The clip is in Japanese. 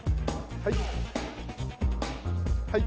はい。